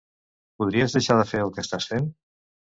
Podries deixar de fer el que estàs fent?